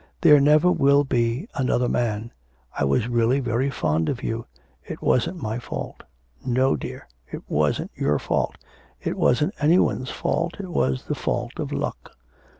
There never will be another man. I was really very fond of you. ... It wasn't my fault.' 'No, dear, it wasn't your fault. It wasn't any one's fault, it was the fault of luck.'